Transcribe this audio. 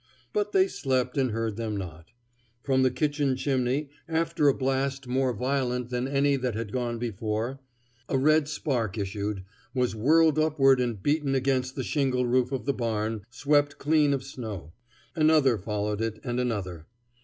But they slept and heard them not. From the kitchen chimney, after a blast more violent than any that had gone before, a red spark issued, was whirled upward and beaten against the shingle roof of the barn, swept clean of snow. Another followed it, and another.